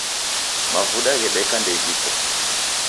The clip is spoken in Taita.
Mavuda ghedeka ndeghiko